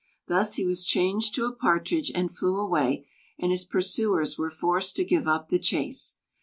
Thus he was changed to a Partridge, and flew away; and his pursuers were forced to give up the chase.